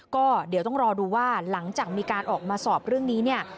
ก็เดี๋ยวต้องรอดูว่าหลังจากมีการออกมาสอบเรื่องนี้เนี่ย